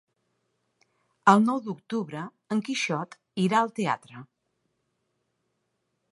El nou d'octubre en Quixot irà al teatre.